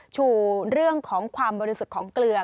ชูเรื่องของความบริสุทธิ์ของเกลือ